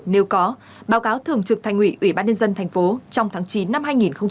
nếu có báo cáo thường trực thành ủy ủy ban nhân dân thành phố trong tháng chín năm hai nghìn hai mươi